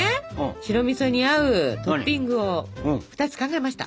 白みそに合うトッピングを２つ考えました。